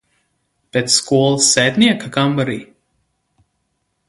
Pēc skolas sētnieka kambarī?